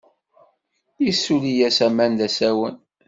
Issuli-as aman d asawen.